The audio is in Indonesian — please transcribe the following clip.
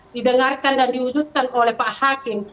didengarkan dan diwujudkan oleh pak hakim